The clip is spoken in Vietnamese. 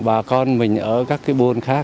bà con mình ở các cái buôn khác